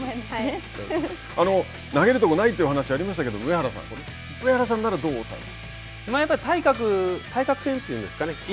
投げるところないというお話がありましたけれども上原さん、上原さんならやっぱり対角線というんですかね